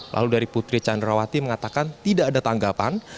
lalu dari putri candrawati mengatakan tidak ada tanggapan